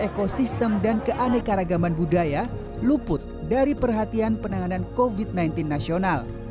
ekosistem dan keanekaragaman budaya luput dari perhatian penanganan covid sembilan belas nasional